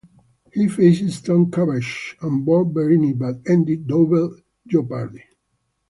He faced Tom Cubbage and Bob Verini, but ended Double Jeopardy!